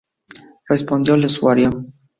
Respondió: "el usuario".